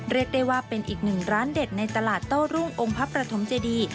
เรียกได้ว่าเป็นอีกหนึ่งร้านเด็ดในตลาดโต้รุ่งองค์พระประถมเจดี